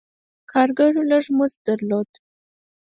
کارګرو لږ مزد درلود.